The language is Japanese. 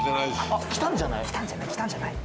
あっ来たんじゃない？